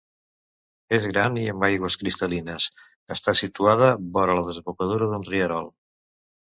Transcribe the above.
És gran i amb aigües cristal·lines Està situada vora la desembocadura d'un rierol.